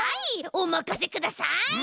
おまかせください！